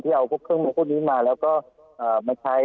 เอาพวกเครื่องมือพวกนี้มาแล้วก็มาใช้